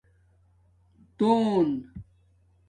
دَوَن